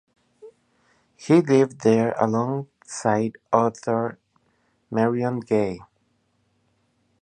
He lived there alongside author Marion Gay.